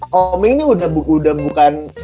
homing ini udah bukan